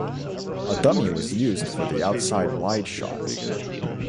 A dummy was used for the outside wide shot.